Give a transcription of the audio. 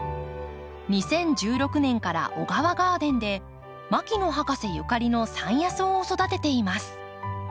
２０１６年からＯＧＡＷＡガーデンで牧野博士ゆかりの山野草を育てています。